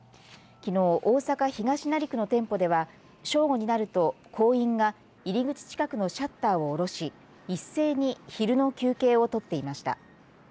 きのう、大阪、東成区の店舗では正午になると行員が入り口近くのシャッターを下ろし一斉に昼の休憩をとっていました。